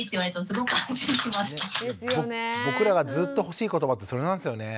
僕らがずっと欲しい言葉ってそれなんですよね。